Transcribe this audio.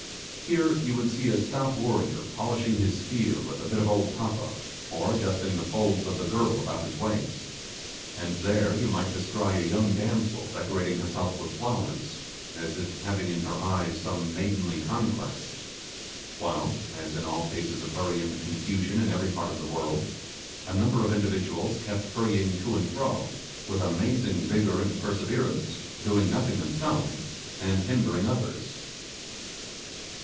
Here you would see a stout warrior polishing his spear with a bit of old tappa, or adjusting the folds of the girdle about his waist; and there you might descry a young damsel decorating herself with flowers, as if having in her eye some maidenly conquest; while, as in all cases of hurry and confusion in every part of the world, a number of individuals kept hurrying to and fro, with amazing vigour and perseverance, doing nothing themselves, and hindering others.